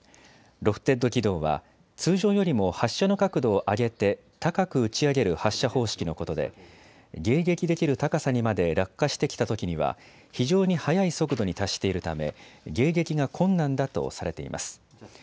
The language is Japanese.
ロフテッド軌道は通常よりも発射の角度を上げて高く打ち上げる発射方式のことで迎撃できる高さにまで落下してきたときには非常に速い速度に達しているため迎撃が困難だとされています。